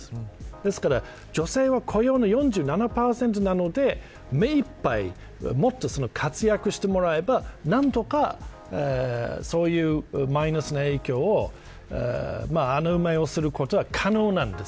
ですから女性は雇用の４７％なのでめいっぱい活躍してもらえば何とか、そのマイナスの影響を穴埋めすることは可能だと思います。